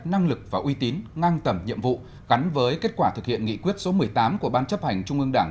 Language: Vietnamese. năng lực và uy tín ngang tầm nhiệm vụ gắn với kết quả thực hiện nghị quyết số một mươi tám của ban chấp hành trung ương đảng